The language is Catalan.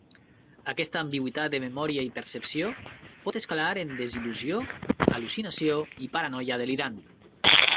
Aquesta ambigüitat de memòria i percepció pot escalar en desil·lusió, al·lucinació i paranoia delirant.